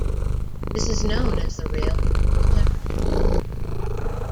This is known as the "rail neutral temperature".